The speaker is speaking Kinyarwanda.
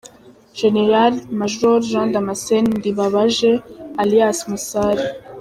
Gen Maj Jean-Damascène Ndibabaje Alias Musare